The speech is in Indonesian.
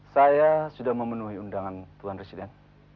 saya sudah memenuhi undangan tuan residen